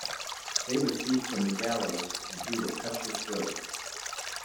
Save a thief from the gallows and he will cut your throat.